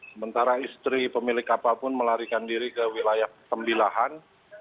sementara istri pemilik kapal pun melarikan diri ke wilayah tembilahan